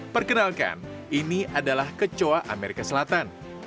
perkenalkan ini adalah kecoa amerika selatan